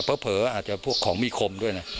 เพราะเผลอาจจะของมีคมด้วยน่ะ